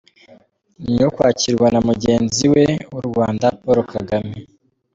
Ni nyuma yo kwakirwa na mugenzi w’u Rwanda, Paul Kagame.